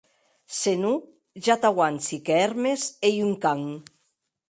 Se non, ja t'auanci que Hermes ei un can.